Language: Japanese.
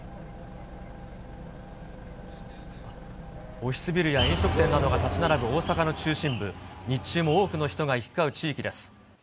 オフィスビルや飲食店などが建ち並ぶ大阪の中心部、日中も多くの人が行き交う地域です。